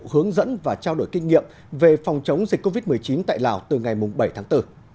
hướng dẫn và trao đổi kinh nghiệm về phòng chống dịch covid một mươi chín tại lào từ ngày bảy tháng bốn